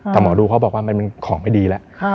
แต่หมอดูเขาบอกว่ามันเป็นของไม่ดีแล้ว